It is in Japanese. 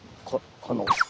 この。